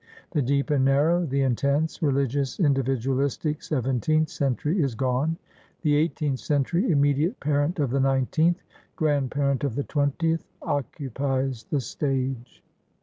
The deep and narrow, the intense, religious, individual istic seventeenth century is gone. The eighteenth century, immediate parent of the nineteenth, grandparent of the twentieth, occupies the stage.